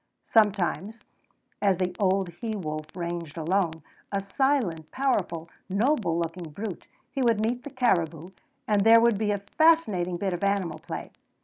Sometimes as the old he wolf ranged alone, a silent, powerful, noble looking brute, he would meet the caribou, and there would be a fascinating bit of animal play.